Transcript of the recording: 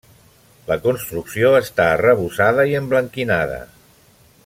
La construcció està arrebossada i emblanquinada.